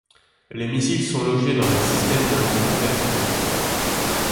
Leurs missiles sont logés dans des systèmes de lancement verticaux.